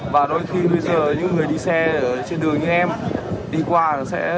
và đôi khi bây giờ những người đi xe ở trên đường như em đi qua là lúc đó sẽ gây nhiều cái tai nạn